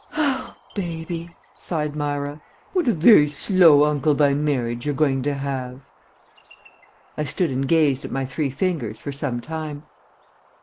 "Oh, baby," sighed Myra, "what a very slow uncle by marriage you're going to have!" I stood and gazed at my three fingers for some time.